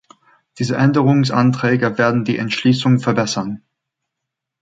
Diese Änderungsanträge werden die Entschließung verbessern.